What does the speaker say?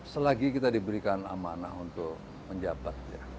selagi kita diberikan amanah untuk menjabat